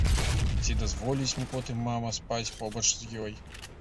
Ці дазволіць мне потым мама спаць побач з ёй?